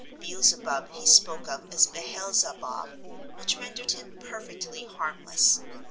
Beelzebub he spoke of as Behel Zawbab, which rendered him perfectly harmless.